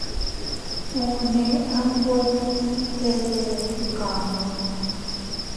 Uune a nwe deden kamu.